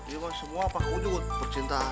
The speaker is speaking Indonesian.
iya emang semua pak wujud percintaan